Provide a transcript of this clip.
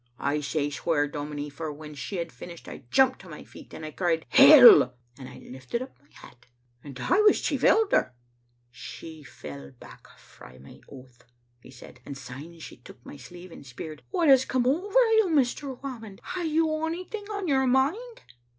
I say swear, dominie, for when she had finished I jumped to my feet, and I cried, *Hell!* and I lifted up my hat. And I was chief elder. " She fell back frae my oath, " he said, " and syne she took my sleeve and speired, *What has come ower you, Mr. Whamond? Hae you onything on your mind?